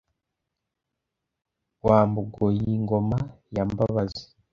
wa mbogoy-ingoma ya mbabazi